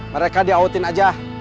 mereka diautin aja